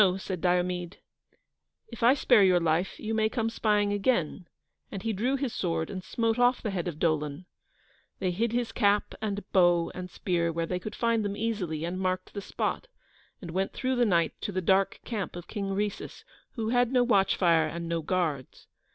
"No," said Diomede, "if I spare your life you may come spying again," and he drew his sword and smote off the head of Dolon. They hid his cap and bow and spear where they could find them easily, and marked the spot, and went through the night to the dark camp of King Rhesus, who had no watch fire and no guards.